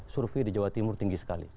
survei di jawa timur tinggi sekali